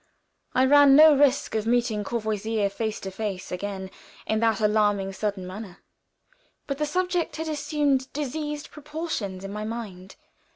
I ran no risk of meeting Courvoisier face to face again in that alarming, sudden manner. But the subject had assumed diseased proportions in my mind.